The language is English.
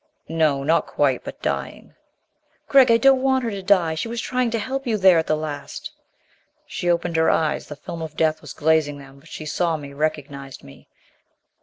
"No. Not quite but dying." "Gregg, I don't want her to die! She was trying to help you there at the last." She opened her eyes. The film of death was glazing them. But she saw me, recognized me.